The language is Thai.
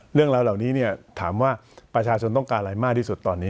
เรื่องราวเหล่านี้ถามว่าประชาชนต้องการอะไรมากที่สุดตอนนี้